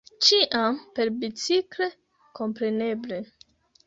Ĉiam perbicikle, kompreneble!